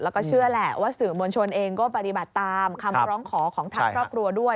แล้วก็เชื่อแหละว่าสื่อมวลชนเองก็ปฏิบัติตามคำร้องขอของทางครอบครัวด้วย